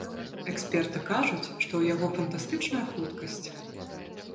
Эксперты кажуць, што ў яго фантастычная хуткасць.